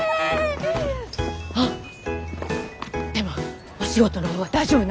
あっでもお仕事のほうは大丈夫なの？